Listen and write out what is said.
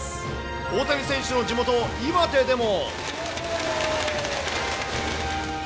大谷選手の地元、岩手でも。